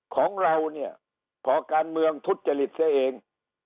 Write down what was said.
ของเราเนี่ยพอการเมืองทุจริตเสียเอง